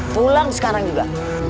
pulang sekarang juga